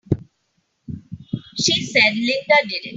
She said Linda did it!